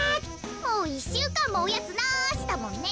もう１しゅうかんもおやつなしだもんね。